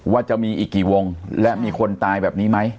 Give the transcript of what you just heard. ว่าจะมีอีกกี่วงและมีคนตายแบบนี้ไหม